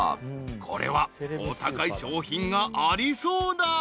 ［これはお高い商品がありそうだ］